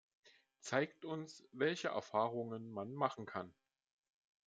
Zeigt uns, welche Erfahrungen man machen kann!